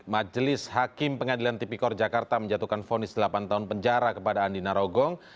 majelis hakim pengadilan tipikor jakarta menjatuhkan fonis delapan tahun penjara kepada andi narogong